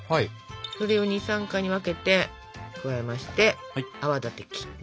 それを２３回に分けて加えまして泡立て器で混ぜると。